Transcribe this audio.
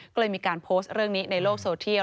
ก็เลยมีการโพสต์เรื่องนี้ในโลกโซเทียล